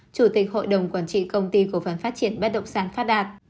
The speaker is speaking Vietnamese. chủ tịch hội đồng quản trị công ty cổ phần phát triển bất động sản phát đạt